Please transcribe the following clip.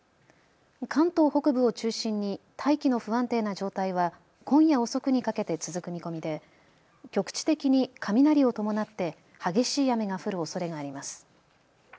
関東北部を中心に大気の不安定な状態は今夜遅くにかけて続く見込みで局地的に雷を伴って激しい雨が降るおそれがあります。